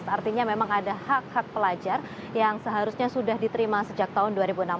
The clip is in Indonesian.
artinya memang ada hak hak pelajar yang seharusnya sudah diterima sejak tahun dua ribu enam belas